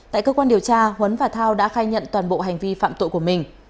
tại cơ quan điều tra huấn và thao đã khai nhận toàn bộ hành vi phạm tội của mình